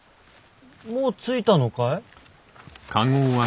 もう着いたのかい？